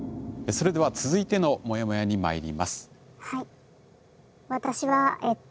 それでは続いてのモヤモヤにまいります。